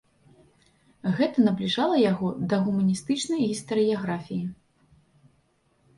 Гэта набліжала яго да гуманістычнай гістарыяграфіі.